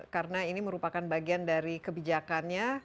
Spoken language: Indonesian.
karena ini merupakan bagian dari kebijakannya